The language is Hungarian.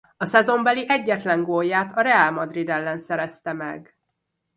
A szezonbeli egyetlen gólját a Real Madrid ellen szerezte meg.